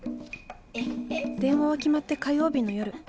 電話は決まって火曜日の夜。